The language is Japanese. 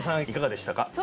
いかがでしたか？